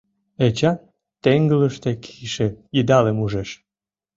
Эчан теҥгылыште кийыше йыдалым ужеш.